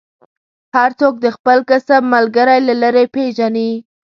هر څوک د خپل کسب ملګری له لرې پېژني.